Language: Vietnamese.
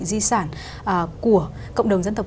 di sản của cộng đồng dân tộc